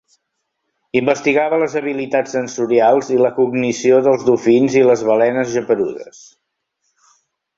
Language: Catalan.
Investigava les habilitats sensorials i la cognició dels dofins i les balenes geperudes.